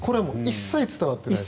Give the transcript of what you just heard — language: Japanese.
一切伝わっていない。